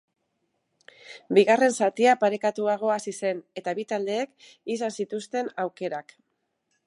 Bigarren zatia parekatuago hasi zen eta bi taldeek izan zituzten aukerak.